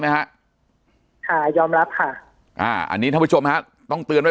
ปากกับภาคภูมิ